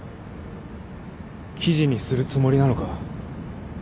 記事にするつもりなのか？